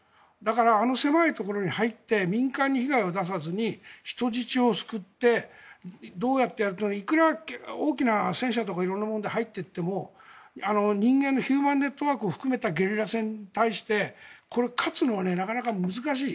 あの狭いところに入って民間に被害を出さずに人質を救っていくら大きな戦車とか色々入っていっても人間のヒューマンネットワークを含めてゲリラ戦に対してこれは勝つのは難しい。